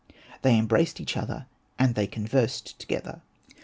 They embraced each other, and they conversed together.